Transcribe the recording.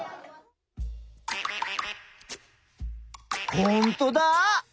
ほんとだ！